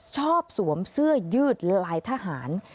สวมเสื้อยืดลายทหาร